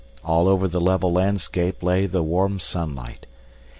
All over the level landscape lay the warm sunlight.